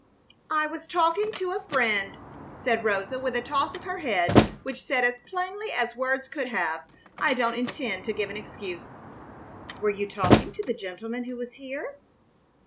"I was talking to a friend," said Rosa, with a toss of her head which said, as plainly as words could have done, "I don't intend to give an excuse." "Were you talking to the gentleman who was here?"